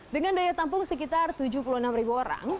dengan daya tampung sekitar tujuh puluh enam ribu orang